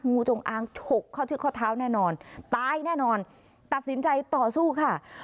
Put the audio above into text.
งูจงอางฉกเข้าที่ข้อเท้าแน่นอนตายแน่นอนตัดสินใจต่อสู้ค่ะ